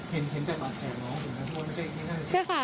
เห็นจากหลักแขกเนอะมันไม่ใช่คอมแขก